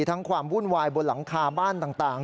ความวุ่นวายบนหลังคาบ้านต่าง